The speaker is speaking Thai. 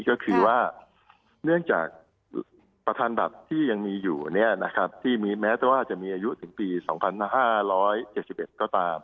ก็คือว่าเนื่องจากประธานบัตรที่ยังมีอยู่ที่แม้แต่ว่าจะมีอายุถึงปี๒๕๗๑ก็ตาม